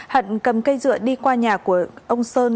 hận cầm cây dựa đi qua nhà của ông sơn